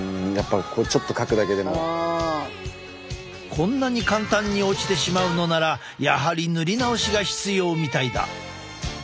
こんなに簡単に落ちてしまうのならやはり塗り直しが必要みたいだ。